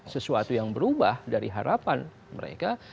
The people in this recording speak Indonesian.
sesuatu yang berubah dari harapan mereka